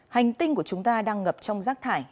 hành tinh của chúng ta đang ngập trong rác thải